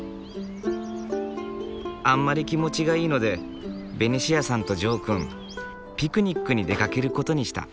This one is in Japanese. あんまり気持ちがいいのでベニシアさんとジョーくんピクニックに出かける事にした。